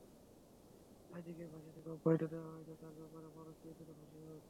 সাঈদীকে ফাঁসি থেকে অব্যাহতি দেওয়া হয়েছে, তাঁর ব্যাপারেও মানুষ চেয়েছিল ফাঁসি হোক।